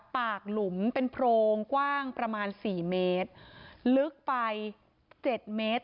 หลุมเป็นโพรงกว้างประมาณสี่เมตรลึกไปเจ็ดเมตร